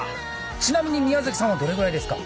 ちなみに宮崎さんはどれぐらいですか？